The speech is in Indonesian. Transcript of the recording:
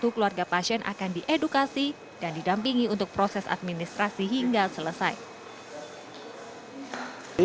satu keluarga pasien akan diedukasi dan didampingi untuk proses administrasi hingga selesai